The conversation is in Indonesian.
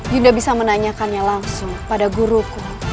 yuda bisa menanyakannya langsung pada guruku